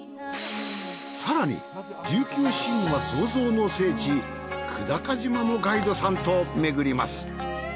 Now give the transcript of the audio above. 更に琉球神話創造の聖地久高島もガイドさんとめぐります。